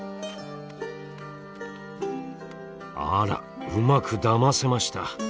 あらうまくだませました。